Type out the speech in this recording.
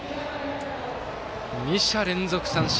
２者連続三振。